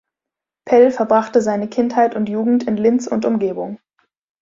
Pell verbrachte seine Kindheit und Jugend in Linz und Umgebung.